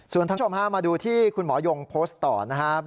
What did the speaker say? ส่วนท่านผู้ชมฮะมาดูที่คุณหมอยงโพสต์ต่อนะครับ